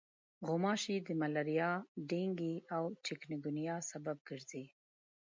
غوماشې د ملاریا، ډنګي او چکنګونیا سبب ګرځي.